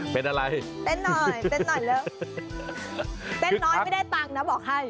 เป็นอะไรเต้นหน่อยเต้นหน่อยเร็วเต้นน้อยไม่ได้ตังค์นะบอกให้